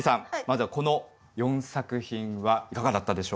まずはこの４作品はいかがだったでしょうか？